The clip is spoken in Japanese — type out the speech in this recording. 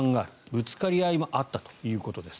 ぶつかり合いもあったということです。